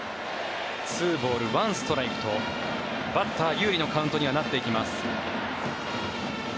２ボール１ストライクとバッター有利のカウントにはなっていきます。